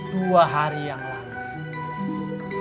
dua hari yang lalu